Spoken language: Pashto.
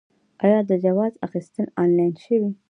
آیا د جواز اخیستل آنلاین شوي؟